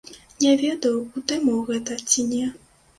Не ведаю, у тэму гэта ці не.